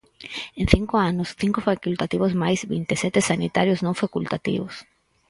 En cinco anos, cinco facultativos máis, vinte e sete sanitarios non facultativos.